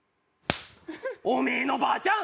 おめえのばあちゃん